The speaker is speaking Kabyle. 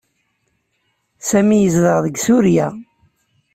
Sami yezdeɣ deg Surya.